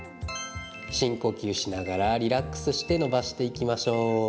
深呼吸しながら、リラックスして伸ばしていきましょう。